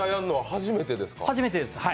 初めてです。